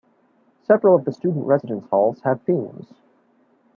Several of the student residence halls have themes.